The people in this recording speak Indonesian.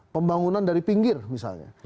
pembangunan dari pinggir misalnya